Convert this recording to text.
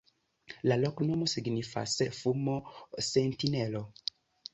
La loknomo signifas: fumo-sentinelo.